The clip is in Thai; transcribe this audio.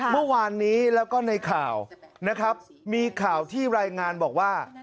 เมื่อวานนี้แล้วก็ในข่าวนะครับมีข่าวที่รายงานบอกว่า